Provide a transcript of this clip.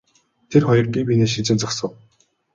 Тэр хоёр бие биенээ шинжин зогсов.